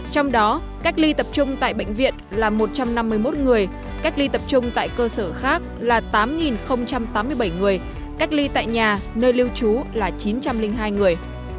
trong đó cách ly tập trung tại bệnh viện là một trăm năm mươi một người cách ly tập trung tại cơ sở khác là tám tám mươi bảy người cách ly tại nhà nơi lưu trú là chín trăm linh hai người